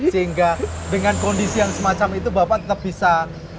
sehingga dengan kondisi yang semacam itu bapak tetap bisa